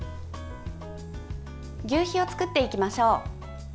求肥を作っていきましょう。